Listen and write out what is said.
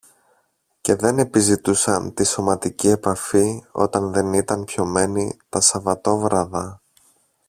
και δεν επιζητούσαν τη σωματική επαφή όταν δεν ήταν πιωμένοι τα Σαββατόβραδα